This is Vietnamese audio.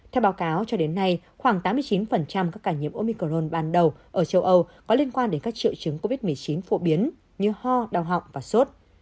theo báo cáo cho đến nay khoảng tám mươi chín các ca nhiễm omicron ban đầu ở châu âu có liên quan đến các triệu chứng covid một mươi chín phổ biến như ho đau họng và sốt